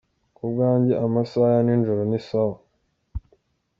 Ku bwanjye amasaha ya ninjoro ni sawa.